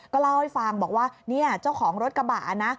ก็เล่าให้ฟังบอกว่าเนี่ยเจ้าของรถกระบะนะ